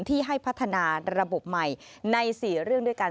ที่ให้พัฒนาระบบใหม่ใน๔เรื่องด้วยกัน